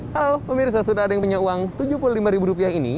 halo pemirsa sudah ada yang punya uang rp tujuh puluh lima ini